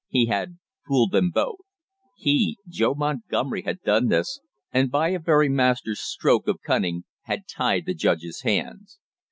He had fooled them both; he, Joe Montgomery, had done this, and by a very master stroke of cunning had tied the judge's hands.